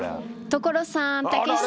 所さんたけしさん。